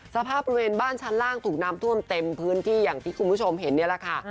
สภาพบริเวณบ้านชั้นล่างถูกน้ำท่วมเต็มพื้นที่อย่างที่คุณผู้ชมเห็นนี่แหละค่ะ